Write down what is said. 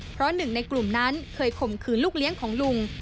เพราะหนึ่งในกลุ่มนั้นเคยข่มขืนลูกเลี้ยงของลุง